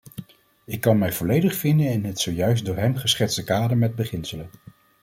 Ik kan mij volledig vinden in het zojuist door hem geschetste kader met beginselen.